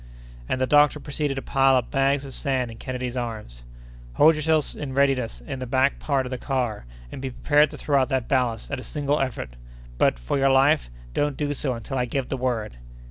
And the doctor proceeded to pile up bags of sand in Kennedy's arms. "Hold yourself in readiness in the back part of the car, and be prepared to throw out that ballast at a single effort. But, for your life, don't do so until I give the word!"